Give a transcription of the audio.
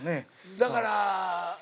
だから。